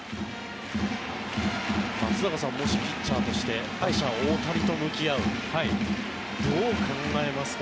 松坂さんもしピッチャーとして打者・大谷と向き合うどう考えますか？